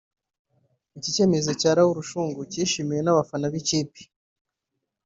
Iki cyifuzo cya Raoul Shungu cyishimiwe n’abafana b’iyi kipe